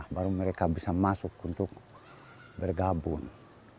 baru mereka bisa masuk untuk bergabung